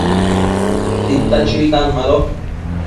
tita chuitan mado